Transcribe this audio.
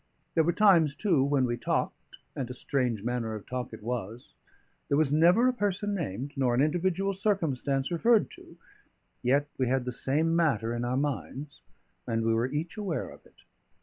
There were times, too, when we talked, and a strange manner of talk it was; there was never a person named, nor an individual circumstance referred to; yet we had the same matter in our minds, and we were each aware of it.